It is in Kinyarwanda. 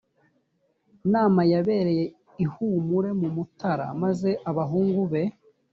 nama yabereye i humure mu mutara maze abahungu be